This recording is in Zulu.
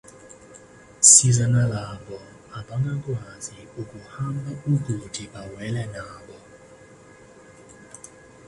Siza nalabo abangakwazi ukuhamba ukuthi bawele nabo.